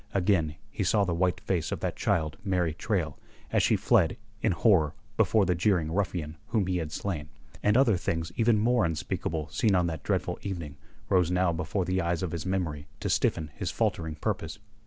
Again he saw the white face of that child Mary Traill as she fled in horror before the jeering ruffian whom he had slain, and other things even more unspeakable seen on that dreadful evening rose now before the eyes of his memory to stiffen his faltering purpose.